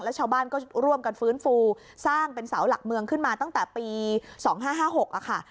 ชาวบ้านก็ร่วมกันฟื้นฟูสร้างเป็นเสาหลักเมืองขึ้นมาตั้งแต่ปี๒๕๕๖ค่ะ